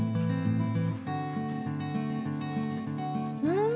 うん！